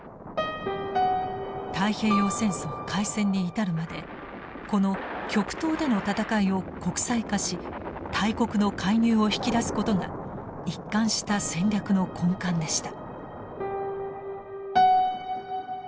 太平洋戦争開戦に至るまでこの極東での戦いを国際化し大国の介入を引き出すことが一貫した戦略の根幹でした。